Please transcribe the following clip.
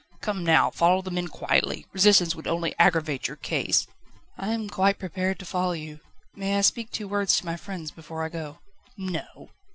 "Come now, follow the men quietly. Resistance would only aggravate your case." "I am quite prepared to follow you. May I speak two words to my friends before I go?" "No."